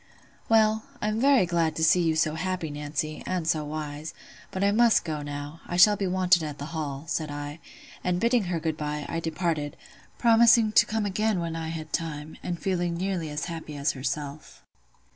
"Well, I'm very glad to see you so happy, Nancy, and so wise: but I must go now; I shall be wanted at the Hall," said I; and bidding her good bye, I departed, promising to come again when I had time, and feeling nearly as happy as herself.